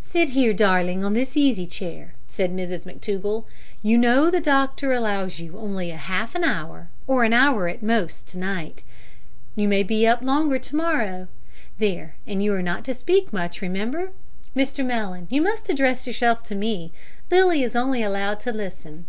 "Sit here, darling, on this easy chair," said Mrs McTougall; "you know the doctor allows you only half an hour or an hour at most to night; you may be up longer to morrow. There; and you are not to speak much, remember. Mr Mellon, you must address yourself to me. Lilly is only allowed to listen.